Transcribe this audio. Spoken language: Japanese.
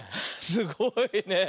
すごいねえ。